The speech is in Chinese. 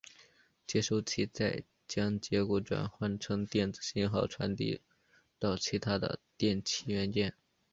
接收器再将结果转换成电子信号传递到其它的电气元件。